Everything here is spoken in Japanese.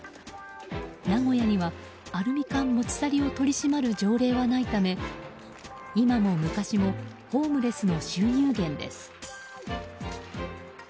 名古屋にはアルミ缶持ち去りを取り締まる条例はないため今も昔もホームレスの収入源です。